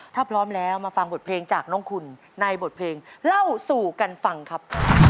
ถ้าพร้อมแล้วมาฟังบทเพลงจากน้องคุณในบทเพลงเล่าสู่กันฟังครับ